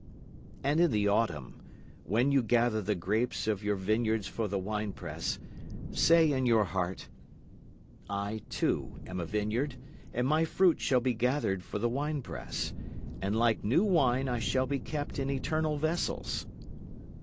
And in the autumn, when you gather the grapes of your vineyards for the winepress, say in your heart, "I too am a vineyard, and my fruit shall be gathered for the winepress, And like new wine I shall be kept in eternal vessels."